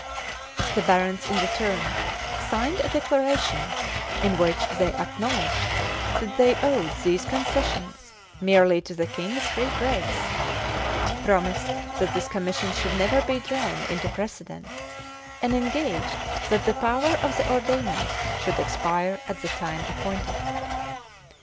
The barons, in return signed a declaration, in which they acknowledged that they owed these concessions merely to the king's free grace; promised that this commission should never be drawn into precedent; and engaged that the power of the ordainers should expire at the time appointed.